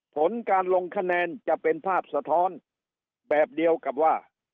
ผลการลงคะแนนจะเป็นภาพสะท้อนแบบเดียวกับว่า